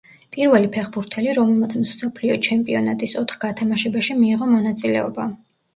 პირველი ფეხბურთელი, რომელმაც მსოფლიო ჩემპიონატის ოთხ გათამაშებაში მიიღო მონაწილეობა.